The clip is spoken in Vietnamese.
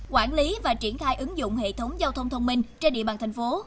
quản lý và triển khai ứng dụng hệ thống giao thông thông minh trên địa bàn thành phố